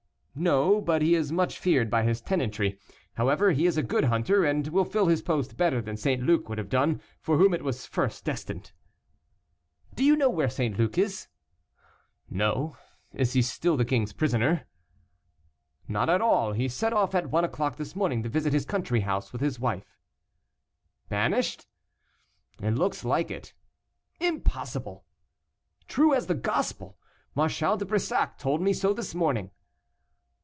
"No; but he is much feared by his tenantry. However, he is a good hunter, and will fill his post better than St. Luc would have done, for whom it was first destined." "Do you know where St. Luc is?" "No; is he still the king's prisoner?" "Not at all; he set off at one o'clock this morning to visit his country house with his wife." "Banished?" "It looks like it." "Impossible!" "True as the gospel; Marshal de Brissac told me so this morning."